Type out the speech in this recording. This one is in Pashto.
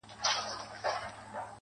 دې لېوني ماحول کي ووايه؛ پر چا مئين يم,